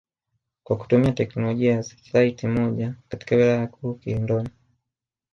kwa kutumia teknolojia ya setilaiti moja katika wilaya kuu Kilindoni